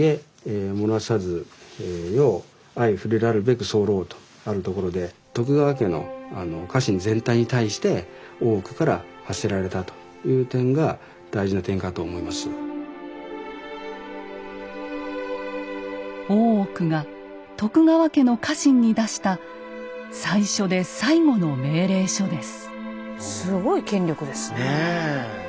このとあるところで大奥が徳川家の家臣に出した最初で最後の命令書です。